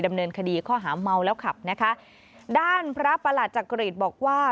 ดำเนินคดีข้อหาเมาแล้วขับนะคะด้านพระประหลัดจักริตบอกว่า